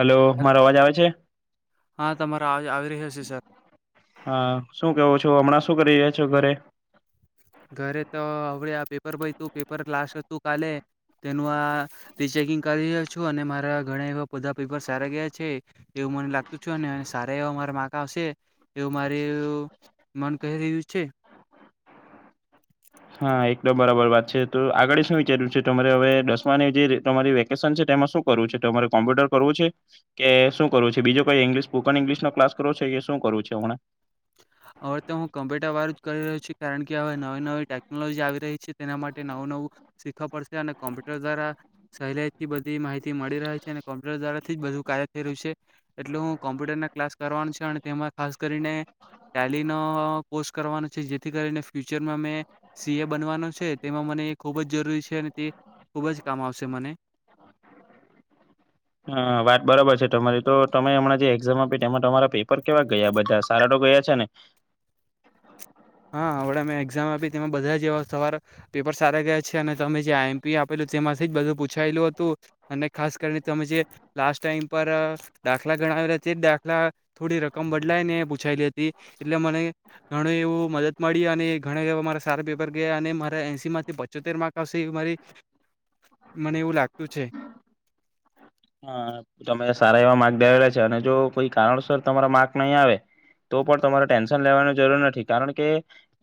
Hello હેલ મારો અવાજ આવે છે? હા તમારે અવાજ આવે. [unintelligible] સર હા શું કેવો છો, હમણાં શું કરી રહ્યા છો ઘરે? ઘરે તો અવડે આ પેપર પયતુ પેપર લાસ હતું કાલે તેનું આ રી ચેકિંગ કરી રયો છું અને મારા ઘણા એવા બધા પેપર સારા ગયા છે એવું મને લાગતું છે ને સારા એવા મારા માર્ક આવશે એવું મારે મન કહી રહ્યું છે. હા એકદમ બરાબર વાત છે તો આગળી શું વિચાર્યું છે તમારે હવે દસમાની જે તમારી વેકેશન છે તેમાં શું કરવું છે તમારે કોમ્પ્યુટર કરવું છે કે શું કરવું છે બીજો કઈ ઇંગ્લિશ સ્પોકન ઇંગ્લિશ નો ક્લાસ કરવો છે કે શું કરવું છે હમણા. હવે તો હું કોમ્પ્યુટર વારુ જ કરી રહ્યો છું કારણ કે હવે નવી નવી ટેકનોલોજી આવી રહી છે તેના માટે નવું નવું શીખવા પડશે અને કોમ્પ્યુટર દ્વારા સહેલાઈથી બધી માહિતી મળી રહે છે અને કોમ્પ્યુટર દ્વારાથી જ બધું કાર્ય થઈ રહ્યું છે એટલે હું કોમ્પ્યુટર ના ક્લાસ કરવાનું છે અને તેમાં ખાસ કરીને ટેલીનો કોસ કરવાનો છે. જેથી કરીને ફ્યુચરમાં મેં સી એ બનવાનો છે તેમાં મને ખૂબ જ જરૂરી છે અને તે ખૂબ જ કામ આવશે મને. હા વાત બરાબર છે. તમારી તો તમે હમણાં જે એક્ઝામ આપી તેમાં તમારા પેપર કેવા ગયા બધા સારા તો ગયા છે ને. હા હમણા મેં એક્ઝામ આપી તેમાં બધા જ એવા સવાર પેપર સારા ગયા છે અને તમે જે આઈ એમ પી આપેલું તેમાંથી જ બધું પૂછાયેલું હતું અને ખાસ કરીને તમે જે લાસ્ટ ટાઈમ પર દાખલા ગણાાવલા તે જ દાખલા થોડી રકમ બદલાય ને પૂછાયેલી હતી એટલે મને ઘણું એવું મદદ મળી અને ઘણા એવા મારા સારા પેપર ગયા અને મારા એસી માંથી પચોતેર માર્ક આવશે એવી મારી મને એવું લાગતું છે. હા તમે સારા એવા માર્ક ધારેલા છે અને જો કોઈ કારણસર તમારા માર્ક નહીં આવે તો પણ તમારે ટેન્શન લેવાની જરૂર નથી કારણ કે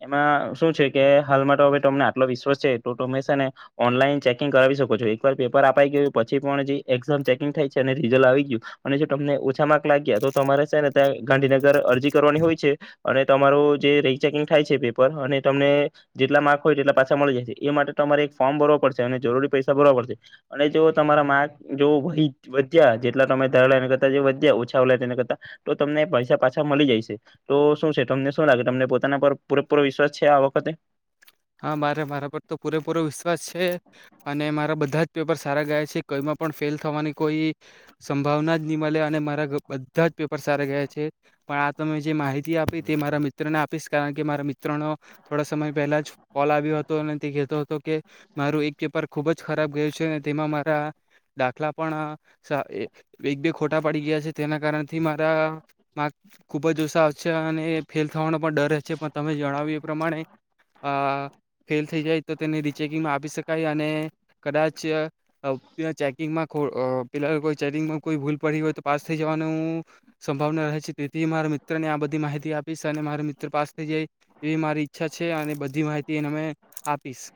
એમાં શું છે કે હાલ મા તો હવે તમને આટલો વિશ્વાસ છે તો તમે છે ને ઓનલાઈન ચેકિંગ કરાવી શકો છો એકવાર પેપર અપાઈ ગયો હોય પછી પણ જે એક સર ચેકીંગ થાય રિઝલ આવી ગયું અને જો તમને ઓછા માર્ક લાગ્યા તો તમારે છે ને ત્યાં ગાંધીનગર અરજી કરવાની હોય છે અને તમારું જે રીચેકિંગ થાય છે પેપર અને તમને જેટલા માર્ક હોય એટલા પાછા મળી જાય છે એ માટે તમારે એક ફોર્મ ભરવો પડશે અને જરૂરી પૈસા ભરવવા પડશે અને જો તમારા માર્ક જો વહી વધ્યા જેટલા તમે ધરાલા એને કરતા જે વધ્યા ઓછા આવેલા તેને કરતા તો તમને પૈસા પાછા મલી જાય છે તો શું છે તમને શું લાગે તમને પોતાના પર પૂરેપૂરો વિશ્વાસ છે આ વખતે. હા મારે મારા પર તો પૂરેપૂરો વિશ્વાસ છે અને મારા બધા જ પેપર સારા ગયા છે કોઈમાં પણ ફેલ થવાની કોઈ સંભાવના જ ની મલે અને મારા બધા જ પેપર સારા ગયા છે પણ આ તમે જે માહિતી આપી તે મારા મિત્રને આપીશ કારણ કે મારા મિત્રનો થોડા સમય પહેલા જ કોલ આવ્યો હતો અને તે કહેતો હતો કે મારું એક પેપર ખૂબ જ ખરાબ ગયું છે અને તેમાં મારા દાખલા પણ સા એક બે ખોટા પડી ગયા છે તેના કારણથી મારા માર્ક ખુબ જ ઓછા આવશે અને ફેલ થવાનો પણ ડર છે પણ તમે જણાવ્યું એ પ્રમાણે આ ફેલ થઈ જાય તો તેને રિચેકિંગમાં આપી શકાય અને કદાચ અ ચેકિંગમાં ખો અ પેલા કોઈ ચેકિંગમાં કોઈ ભૂલ પડી હોય તો પાસ થઈ જવાનું સંભાવના રહે છે તેથી મારા મિત્રને આ બધી માહિતી આપીશ અને મારા મિત્ર પાસ થઈ જાય એવી મારી ઈચ્છા છે અને બધી માહિ તેને મે આપીશ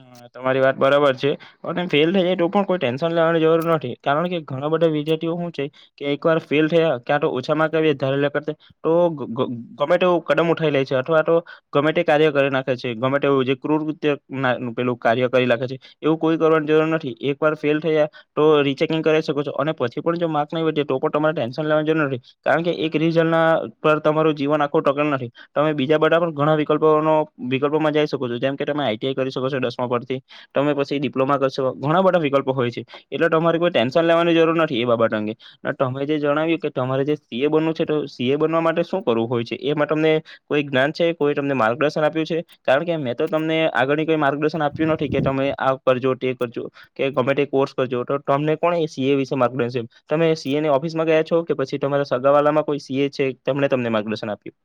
હા તમારી વાત બરાબર છે પણ ફેલ થઈ જાય તો પણ કોઈ ટેન્શન લેવાની જરૂર નથી કારણ કે ઘણા બધા વિદ્યાર્થીઓ હુ છે કે એક વાર ફેલ થયા કયા તો‌‌ ઓછા મૉક ધારેલા કરતા તો ગ ગમે તેવું કદમ ઉઠાઈ લે છે અથવા તો ગમે તે કાર્ય કરી નાખે છે ગમે એવું જે કુર કૃત્ય ના પેલું કાર્ય કરી રાખે છે એવું કોઈ કરવાની જરૂર નથી એક વાર ફેલ થયા તો રીચેકિંગ કરાવ શકો છો અને પછી પણ જો માર્ક નહી વધે તો પણ તમારે ટેન્શન લેવાની જરૂર નથી કારણ કે એક રીઝલના પર તમારું જીવન આખું ટકેલ નથી તમે બીજા બધા પણ ઘણા વિકલ્પો નો વિકલ્પોમાં જઈ શકો છો જેમ કે તમે આઈ ટીયાય કરી શકો છો દસમા પરથી તમે પછી ડિપ્લોમા કરી શકો ઘણા બધા વિકલ્પો હોય છે એટલે તમારે કોઈ ટેન્શન લેવાની જરૂર નથી એ બાબત અંગે તમે જે જણાવ્યું કે તમારે જે સીએ બનવું છે તો સી એ બનવા માટે શું કરવું હોય છે એમાં તમને કોઈ જ્ઞાન છે કોઈ તમને માર્ગદર્શન આપ્યું છે કારણ કે મેં તો તમને આગળની કોઈ માર્ગદર્શન આપ્યું નથી કે તમે આ કરજો તે કરજો કે ગમે તે કોર્સ કરજો તો તમને કોને સીએ વિશે માર્ગદર્શન તમે સીએની ઓફિસમાં ગયા છો કે પછી તમારા સગાવાળલામાં કોઈ સીએ છે તેમને તમને માર્ગદર્શન આપ્યું.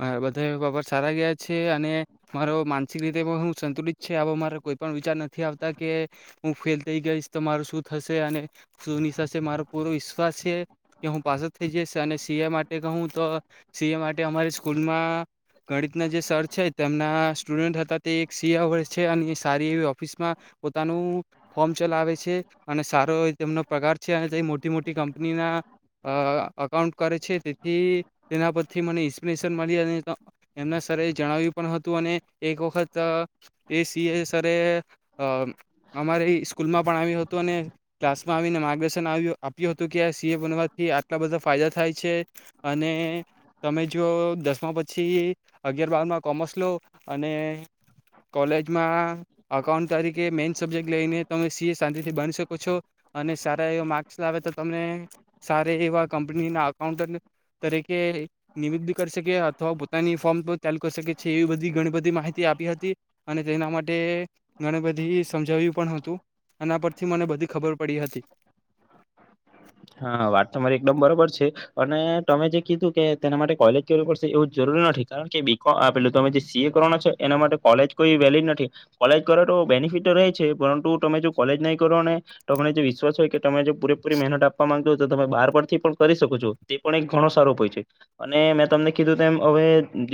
મારા બધા બાબત સારા ગયા છે અને મારો માનસિક રીતે પણ હું સંતુલિત છે આવો મારો કોઈ પણ વિચાર નથી આવતા કે હું ફેલ થઈ ગઈશ તો મારુ શું થશે અને શું નિસાશે મારો પૂરો વિશ્વાસ છે કે હું પાસ જ થઈ જઈશ અને સીએ માટે કહું તો સીએ માટે તે અમારી સ્કૂલમાં ગણિતના જે સર છે તેમના સ્ટુડન્ટ હતા તે એક સીએ છે અને સારી એવી ઓફિસમાં પોતાનું ફોર્મ ચલાવે છે અને સારો તેમનો પગાર છે અને તે મોટી મોટી કંપનીના અ અકાઉન્ટ કરે છે તેથી તેના પરથી થી મને ઇન્સ્પિરેશન મળી અને અ એમના સરે જણાવ્યું પણ હતું અને એક વખત અ એ સી એ સરે અ અમારે ઈ સ્કૂલમાં પણ આવ્યું હતું અને ક્લાસમાં આવીને માર્ગદર્શન આવ્યું આપ્યું હતું કે આ સીએ બનવાથી આટલા બધા ફાયદા થાય છે અને તમે જો દસમા પછી અગિયાર બારમાં કોમર્સ લો અને કોલેજમાં અકાઉન્ટ તરીકે મેઈન સબ્જેક્ટ લઈને તમે સી એ શાંતિથી બની શકો છો અને સારા એવા માર્ક્સ લાવે તો તમને સારા એવા કંપનીના અકાઉન્ટન્ટ તરીકે નિમિત્ત બી કરી શકે અથવા પોતાની ફોર્મ ચાલુ કરી શકે છે એ બધી ઘણી બધી માહિતી આપી હતી અને તેના માટે ઘણી બધી સમજાવ્યું પણ હતું એના પરથી મને બધી ખબર પડી હતી. હા વાત તમારી એકદમ બરાબર છે અને તમે જે કીધું કે તેના માટે કોલેજ કરવી પડશે એવું જરૂરી નથી કારણ કે બીકો આ પેલું તમે જે સી એ કરવાના છે એના માટે કોલેજ કોઈ વેલીડ નથી કોલેજ કરો તો બેનિફિટ રહે છે પરંતુ તમે જો કોલેજ નહીં કરો ને તો તમને જે વિશ્વાસ હોય કે તમે જે પૂરીપરી મહેનત આપ માગ તોતો તમે બાર પરથી પણ કરી શકો છો તે પણ એક ઘણો સારો હોય છે અને મેં તમને કીધું તેમ હવે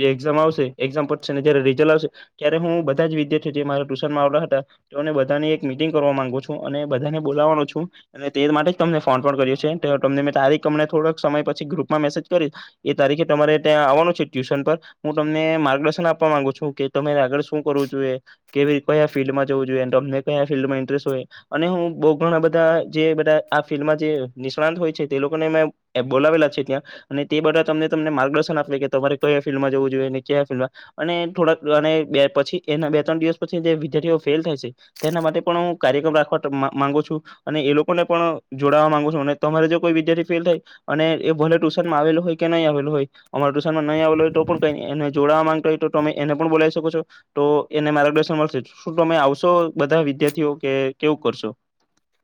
જે એકઝામ આવશે એકઝામ પતસે ને જયારે રિઝલ્ટ આવશે ત્યારે હું બધા જ વિદ્યાર્થીઓ જે મારા ટુશનમાં આવ લા હતા તો ને બધાની એક મીટિંગ કરવા માંગુ છું અને બધાને બોલાવાનો છું અને તે માટે જ તમને ફોન પણ કર્યો છે તે તમને મેં તારીખ અમને થોડોક સમય પછી ગ્રુપમાં મેસેજ કરીશ એ તારીખે તમારે ત્યાં આવવાનું છે ટ્યુશન પર હું તમને માર્ગદર્શન આપવા માંગુ છું કે તમારે આગળ શું કરવું જોઈએ કેવી રીત કયા ફિલ્ડમાં જવું જોઈએ તમને કયા ફિલ્ડમાં ઇન્ટરેસ્ટ હોય અને હું બહુ ઘણા બધા જે બધા આ ફિલ્માં જે નિષ્ણાત હોય છે તે લોકોનપણ મે અએ બોલાવેલા છે ત્યાં અને તે બધા તમને તમને માર્ગદર્શન આપે કે તમારે કયા ફિલ્ડમાં જવું જોઈએ ને કયા ફિલ્ડમાં અને થોડાક અને બે પછી એના બે ત્રણ દિવસ પછી જે વિદ્યાર્થીઓ ફેલ થાય છે તેના માટે પણ હું કાર્યક્રમ રાખવા ટ મા માગુ છું અને એ લોકોને પણ જોડાવા માંગુ છો અને તમારે જો કોઈ વિદ્યાર્થી ફેલ થાય અને એ ભલે ટુશનમાં આવેલ હોય કે નહીં આવેલો હોય અમારા ટુશનમાં નહી આવેલ હોય તો પણ કઈની એને જોડાવા માંગતા હોય તો તમે એને પણ બોલાવી શકો છો તો એને માર્ગદર્શન મળશે શું તમે આવશો બધા વિદ્યાર્થીઓ કે કેવું કરશો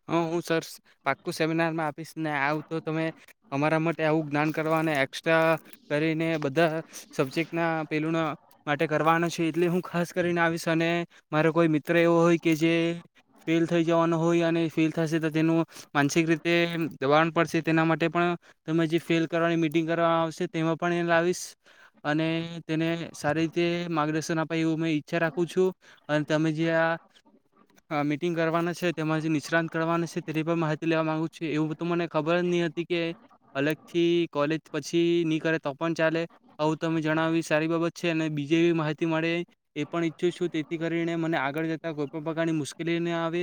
હા હું સર સેમિનારમાં આપીશ ને આવ તો તમે અમારા માટે આવું જ્ઞાન કરવાને એક્સ્ટ્રા કરીને બધા સબ્જેક્ટના પેલુના માટે કરવાના છે એટલે હું ખાસ કરીને આવીશ અને મારો કોઈ મિત્ર એવો હોય કે જે ફેલ થઈ જવાનો હોય અને ફીલ થશે તો તેનું માનસિક રીતે દબાણ પડશે તેના માટે પણ તમે જે ફેલ કરવાની મિટિંગ કરવામાં આવશે તેમાં પણ એ લાવીશ અને તેને સારી રીતે માર્ગદર્શન આપાય એવું મે ઈચ્છા રાખું છું અને તમે જે આ આ મિટિંગ કરવાના છે તેમાં જે નિષ્ણાંત કરવાના છે તેની પણ માહિતી લેવા માગું છું એવું તો મને ખબર જ નહીં હતી કે અલગથી કોલેજ પછી ની કરે તો પણ ચાલે આવું તમે જણાવી સારી બાબત છે અને બીજી એવી માહિતી મળે એ પણ ઈચ્છું છું તેથી કરીને મને આગળ જતાં કોઈપણ પ્રકારની મુશ્કેલી ન આવે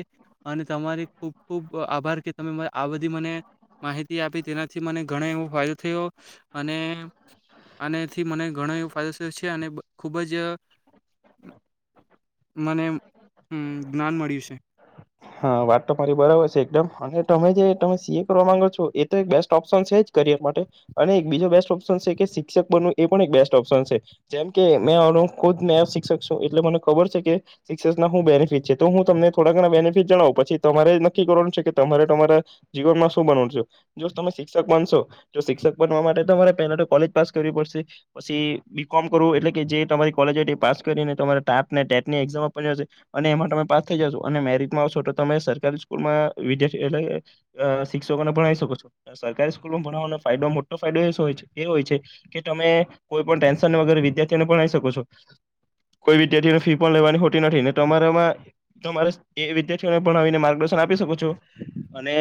અને તમારી ખૂબ ખૂબ આભાર કે તમે મને આ બધી મને માહિતી આપી તેનાથી મને ઘણો એવો ફાયદો થયો અને આનાથી મને ઘણો એવો ફાયદો થયો છે અને બ ખૂબ જ મને અ જ્ઞાન મળ્યું છે. હા વાત તો મારી બરાબર છે એકદમ અને તમે જે તમે સી એ કરવા માંગો છો એ તો એક બેસ્ટ ઓપ્શન છે જ કરિયર માટે અને એક બીજો બેસ્ટ ઓપ્શન છે કે શિક્ષક બનવું એ પણ એક બેસ્ટ ઓપ્શન છે જેમ કે મેં આનુ ખુદ મે શિક્ષક છું એટલે મને ખબર છે કે શિક્ષક ના હું બેનિફિટ છે તો હું તમને થોડા ઘણા બેનિફિટ ફીટ જણાવો પછી તમારે નક્કી કરવાનું છે કે તમારે તમારા જીવનમાં શું બનવાનું છે જો તમે શિક્ષક બનશો તો શિક્ષક બનવા માટે તમારે પહેલા તો કોલેજ પાસ કરવી પડશે પછી બી કોમ કરવું એટલે કે જે તમારી કોલેજ હોય તે પાસ કરીને તમારે ટાટ ને ટેટની એઝામ આપવાની હશે અને એમાં તમે પાસ થઈ જશો અને મેરીડ આવસો તો તમે સરકારી સ્કૂલમાં વિધાર્થી એટલે કે અ શિક્ષકોને ભણવી શકો છો સરકારી સ્કૂલમાં ભણવાનો ફાયદો મોટો ફાયદો એ હોય છે કે તમે કોઈ પણ ટેન્શન વગરે વિદ્યાર્થીઓને ભણવી શકો છો કોઈ વિદ્યાર્થીને ફી પણ લેવાની હોતી નથી ને તમારામાં તમારે એ વિદ્યાર્થીઓને પણ આવીને માર્ગદર્શન આપી શકો છો અને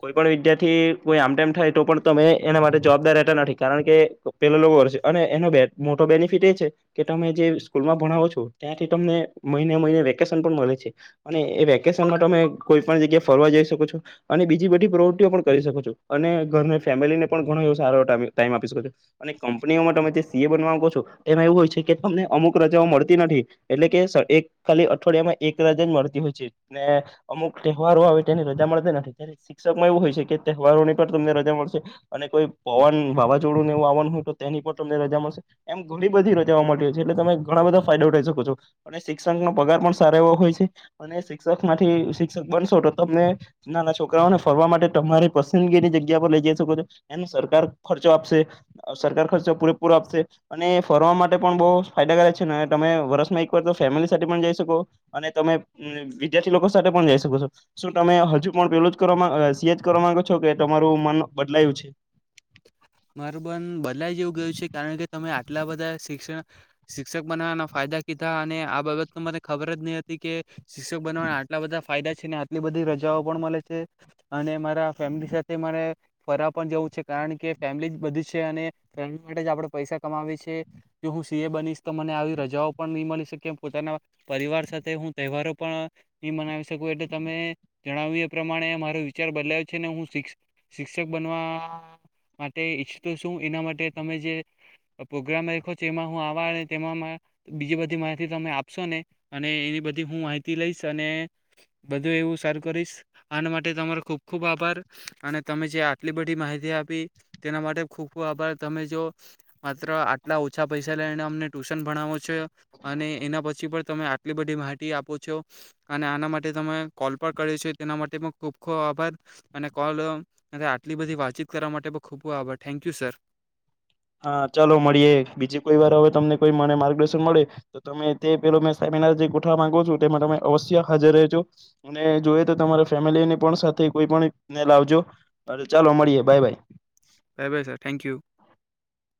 કોઈ પણ વિદ્યાર્થી કોઈ આમ તેમ થાય તો પણ તમે એના માટે જવાબદાર રહેતા નથી કારણ કે પેલા લોકો કરશે અને એનો બેટ મોટો બેનિફિટ એ છે કે તમે જે સ્કૂલમાં ભણાવો છો ત્યાંથી તમને મહિને મહિને વેકેશન પણ મળે છે. અને એ વેકેશનમાં તમે કોઈ પણ જગ્યા ફરવા જઈ શકો છો અને બીજી બધી પ્રોવર્તિઓ પણ કરી શકો છો અને ઘરને ફેમિલીને પણ ઘણો એવો સારો ટાઈમ ટાઈમ આપી શકો છો અને કંપનીઓમાં તમે જે સીએ બનવા માગો છો એમાં એવું હોય છે કે તમને અમુક રજાઓ મળતી નથી એટલે કે સર એક ખાલી અઠવાડિયામાં એક રજા જ મળ હોય છે ને અમુક તહેવારો આવે તેની રજા મળતા નથી ત્યારે શિક્ષકમાં એવું હોય છે કે તહેવારોની પણ તમને રજા મળશે અને કોઈ પવન વાવાઝોડુંને એવું આવવાનું હોય તો તેની પણ તમને રજા મળશે એમ ઘણી બધી રજાઓ મળતી હોય છે એટલે તમે ઘણા બધા ફાયદો ઉઠાવી શકો છો અને શિક્ષકનો પગાર પણ સારા એવો હોય છે. અને શિક્ષક માથી શિક્ષક બનશો તો તમને નાના છોકરાઓને ફરવા માટે તમારી પસંદગીની જગ્યા પર લઈ જઈ શકો છો એનો સરકાર ખર્ચો આપશે અ સરકાર ખર્ચો પૂરેપૂરો આપશે અને ફરવા માટે પણ બહુ ફાયદાકારક છે ને તમે વર્ષમાં એકવાર તો ફેમિલી સાથે પણ જઈ શકો અને તમે ને વિદ્યાર્થી લોકો સાથે પણ જઈ શકો છો શું તમે હજુ પણ પેલું જ કરવામાં અ સીએ જ કરવા માંગો છો કે તમારું મન બદલાયું છે. મારું મન બદલાય જેવું ગયું છે કારણ કે તમે આટલા બધા શિક્ષણ શિક્ષક બનાવવાના ફાયદા કીધા અને આ બાબત તો મને ખબર જ નહી હતી કે શિક્ષક બનવાના આટલા બધા ફાયદા છે ને આટલી બધી રજાઓ પણ મળે છે અને મારા ફેમિલી સાથે મારે ફરવા પણ જવું છે. કારણ કે ફેમિલી જ બધી છે અને ફેમિલી માટે જ આપણે પૈસા કમાવીએ છીએ કે હું સી એ બનીશ તો મને આવી રજાઓ પણ નહીં મળી શકે એમ પોતાના પરિવાર સાથે હું તહેવારો પણ નહી મનાવી શકું એટલે તમે જણાવ્યું એ પ્રમાણે મારો વિચાર બદલાયો છે ને હું શિક્ શિક્ષક બનવા માટે ઈચછું છું એના માટે તમે જે પ્રોગ્રામ રાયખો છો એમાં હું આ તેમાં મે બીજી બધી માહિતી તમે આપશો ને અને એની બધી હું માહિતી લઈશ અને બધું એવું સારુ કરીશ આના માટે તમારો ખુબ ખુબ આભાર અને તમે જે આટલી બધી માહિતી આપ તેના માટે ખૂબ ખૂબ આભાર તમે જો માત્ર આટલા ઓછા પૈસા લઈને અમને ટ્યુશન ભણાવો છો અને એના પછી પણ તમે આ આટલી બધી માહિતી આપો છો અને આના માટે તમે કોલ પણ કર્યો છે તેના માટે પણ ખૂબ ખૂબ આભાર અને કોલ અને આટલી બધી વાતચીત કરવા માટે બો ખૂબબ આભાર થેન્ક યુ સર હા ચાલો મળીએ બીજી કોઈ વાર હવે તમને કોઈ bye bye sir thank you